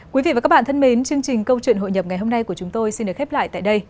quý vị và các bạn thân mến chương trình câu chuyện hội nhập ngày hôm nay của chúng tôi xin được khép lại tại đây